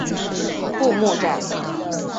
布目站。